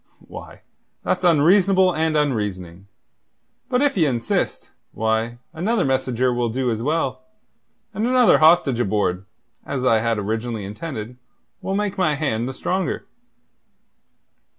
"Why, that's unreasonable and unreasoning. But if ye insist, why, another messenger will do as well, and another hostage aboard as I had originally intended will make my hand the stronger."